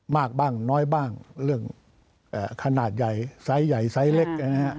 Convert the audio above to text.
มากบ้างน้อยบ้างเรื่องขนาดใหญ่ไซส์ใหญ่ไซส์เล็ก